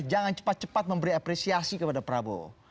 jangan cepat cepat memberi apresiasi kepada prabowo